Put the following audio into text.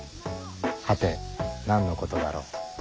はて何のことだろう。